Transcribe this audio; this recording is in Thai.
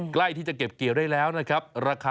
ใกล้ที่จะเก็บเกี่ยวได้แล้วนะครับ